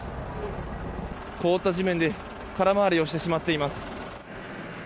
凍った地面で空回りをしてしまっています。